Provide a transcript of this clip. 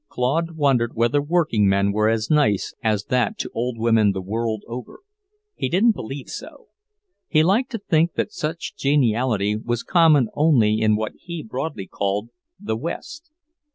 Claude wondered whether working men were as nice as that to old women the world over. He didn't believe so. He liked to think that such geniality was common only in what he broadly called "the West."